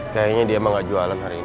kayaknya dia emang gak jualan hari ini